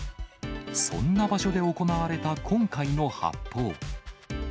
そんな場所で行われた今回の発砲。